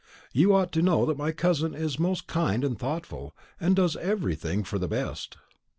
"You ought to know that my cousin is most kind and thoughtful, and does everything for the best."